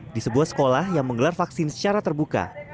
di sebuah sekolah yang menggelar vaksin secara terbuka